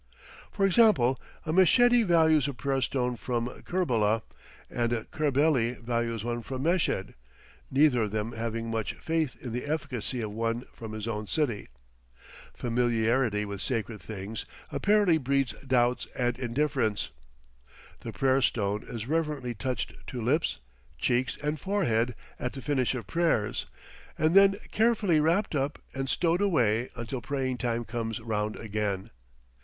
For example, a Meshedi values a prayer stone from Kerbela, and a Kerbeli values one from Meshed, neither of them having much faith in the efficacy of one from his own city; familiarity with sacred things apparently breeds doubts and indifference. The prayer stone is reverently touched to lips, cheeks, and forehead at the finish of prayers, and then carefully wrapped up and stowed away until praying time comes round again.